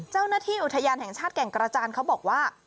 เจ้าหน้าที่อุทยานแห่งชาติแก่งกระจานเขาบอกว่า